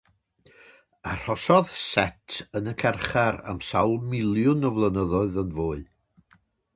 Arhosodd Set yn y carchar am sawl miliwn o flynyddoedd yn fwy.